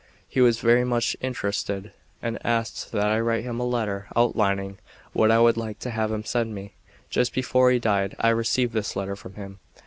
He was very much interested and asked that I write him a letter outlining what I would like to have him send me. Just before he died I received this letter from him.